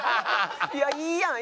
いやいいやん。